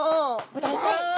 ブダイちゃん。